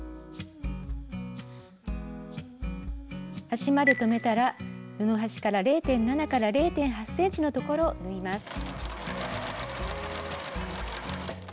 端まで留めたら布端から０．７０．８ｃｍのところを縫います。